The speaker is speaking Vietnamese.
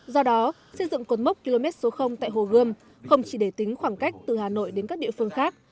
do đó xây dựng cột mốc km số tại hồ gươm không chỉ để tính khoảng cách từ hà nội đến các địa phương khác